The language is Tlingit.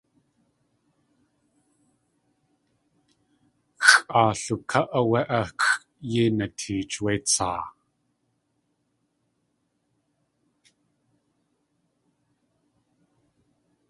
Xʼaa luká áwé áxʼ yéi nateech wé tsaa.